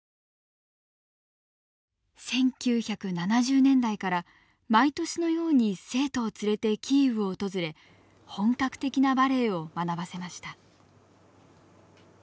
１９７０年代から毎年のように生徒を連れてキーウを訪れ本格的なバレエを学ばせました。